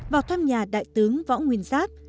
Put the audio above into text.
vào thăm nhà đại tướng võ nguyên giáp